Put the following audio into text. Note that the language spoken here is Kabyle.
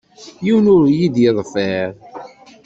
Yiwen ur yi-d-yeḍfir.